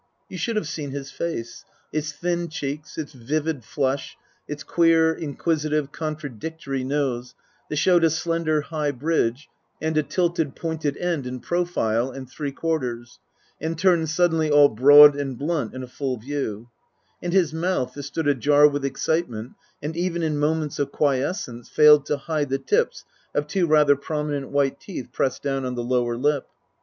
You should have seen his face, its thin cheeks, its vivid flush, its queer, inquisitive, contradictory nose that showed a slender, high bridge and a tilted, pointed end in profile and three quarters, and turned suddenly all broad and blunt in a full view; and his mouth that stood ajar with excite ment, and even in moments of quiescence failed to hide the tips of two rather prominent white teeth pressed down on the lower lip.